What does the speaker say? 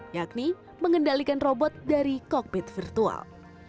yakni mengendalikan robot dari kokpit virtual